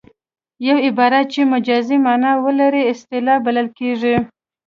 یو عبارت چې مجازي مانا ولري اصطلاح بلل کیږي